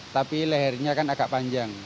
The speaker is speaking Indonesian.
tapi lehernya kan agak panjang